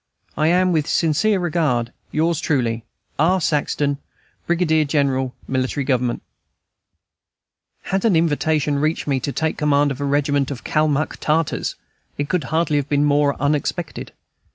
I am, with sincere regard, yours truly, R. SAXTON, Brig. Genl, Mil. Gov. Had an invitation reached me to take command of a regiment of Kalmuck Tartars, it could hardly have been more unexpected.